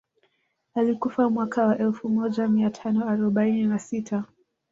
Alikufa mwaka wa elfu moja mia tano arobaini na sita